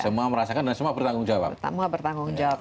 semua merasakan dan semua bertanggung jawab